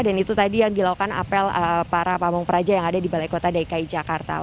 dan itu tadi yang dilakukan untuk para pamung peraja yang ada di balai kota dki jakarta